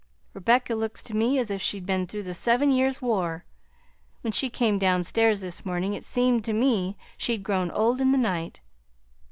Rebecca looks to me as if she'd been through the Seven Years' War. When she came downstairs this morning it seemed to me she'd grown old in the night.